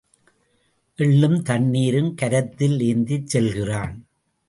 எள்ளும் தண்ணீரும் கரத்தில் ஏந்திச் செல்கிறான்.